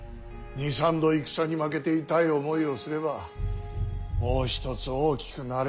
２３度戦に負けて痛い思いをすればもう一つ大きくなれるんだがな。